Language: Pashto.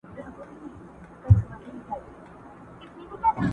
ها د خوشحال او د امان د ارمانونو کیسې.